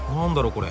これ。